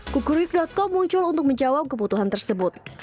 kukurwig com muncul untuk menjawab kebutuhan tersebut